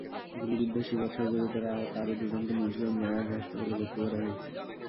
গুলিবিদ্ধ সিফাতসহ গুরুতর আহত আরও দুজনকে মুন্সিগঞ্জ জেনারেল হাসপাতালে ভর্তি করা হয়েছে।